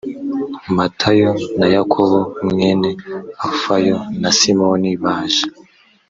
matayo na yakobo mwene alufayo na simoni baje